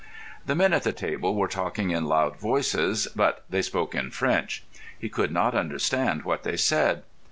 The men at the table were talking in loud voices, but they spoke in French. He could not understand what they said.